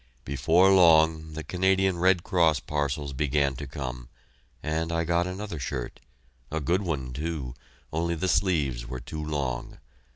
Before long, the Canadian Red Cross parcels began to come, and I got another shirt a good one, too, only the sleeves were too long.